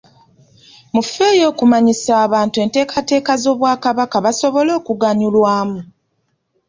Mufeeyo okumanyisa abantu enteekateeka z'Obwakabaka basobole okuganyulwamu.